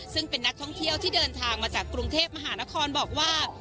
ซึ่งเป็นนักท่องเที่ยวที่เดินทางมาจากกรุงเทพมหานครบอกว่า